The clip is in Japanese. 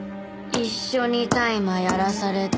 一緒に大麻やらされて。